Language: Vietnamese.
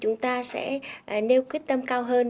chúng ta sẽ nêu quyết tâm cao hơn